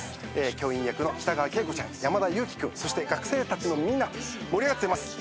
教員役の北川景子ちゃん山田裕貴君そして学生たちのみんな盛り上がっています。